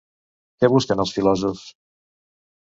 Què busquen els filòsofs?